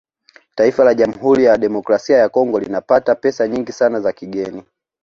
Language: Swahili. Taifa la Jamhuri ya Kidemokrasia ya Congo linapata pesa nyingi sana za kigeni